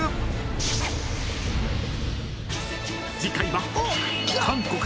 ［次回は］